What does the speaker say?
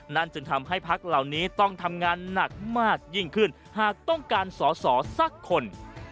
จึงทำให้พักเหล่านี้ต้องทำงานหนักมากยิ่งขึ้นหากต้องการสอสอสักคน